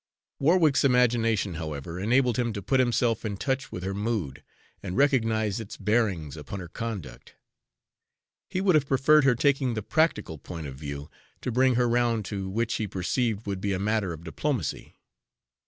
Warwick's imagination, however, enabled him to put himself in touch with her mood and recognize its bearings upon her conduct. He would have preferred her taking the practical point of view, to bring her round to which he perceived would be a matter of diplomacy.